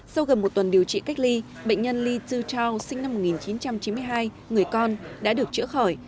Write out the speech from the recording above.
sau gần một tuần điều trị cách ly bệnh nhân li tu tao sinh năm một nghìn chín trăm chín mươi hai người con đã được chữa khỏi